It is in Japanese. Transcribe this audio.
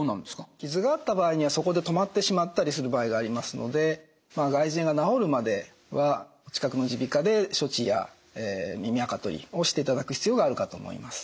傷があった場合にはそこで止まってしまったりする場合がありますので外耳炎が治るまではお近くの耳鼻科で処置や耳あか取りをしていただく必要があるかと思います。